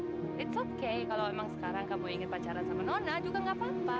gak apa apa kalau emang sekarang kamu ingin pacaran sama nona juga gak apa apa